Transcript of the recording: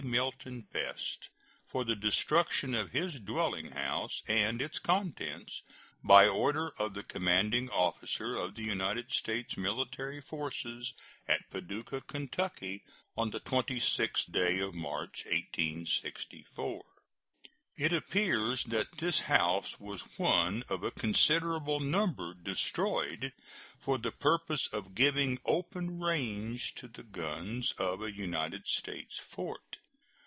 Milton Best for the destruction of his dwelling house and its contents by order of the commanding officer of the United States military forces at Paducah, Ky., on the 26th day of March, 1864. It appears that this house was one of a considerable number destroyed for the purpose of giving open range to the guns of a United States fort.